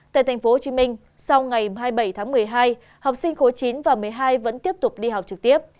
tại tp hcm sau ngày hai mươi bảy tháng một mươi hai học sinh khối chín và một mươi hai vẫn tiếp tục đi học trực tiếp